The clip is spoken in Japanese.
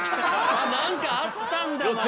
何かあったんだまた！